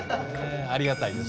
ありがたいです